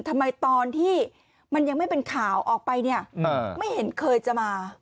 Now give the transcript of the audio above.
ทำไมตอนที่มันยังไม่เป็นข่าวออกไปเนี่ยไม่เห็นเคยจะมา